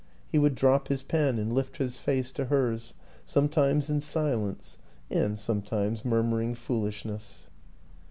He would drop his pen and lift his face to hers, some times in silence and sometimes murmuring fool ishness.